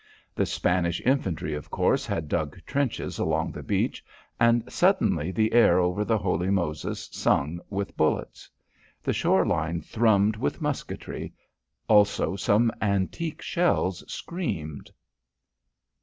The Spanish infantry, of course, had dug trenches along the beach, and suddenly the air over the Holy Moses sung with bullets. The shore line thrummed with musketry. Also some antique shells screamed.